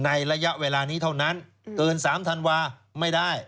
ระยะเวลานี้เท่านั้นเกิน๓ธันวาไม่ได้